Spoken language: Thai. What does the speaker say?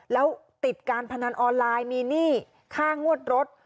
แล้วติดการพนันออนไลน์มีหนี้ค่างวดรถ